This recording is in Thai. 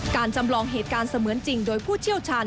จำลองเหตุการณ์เสมือนจริงโดยผู้เชี่ยวชาญ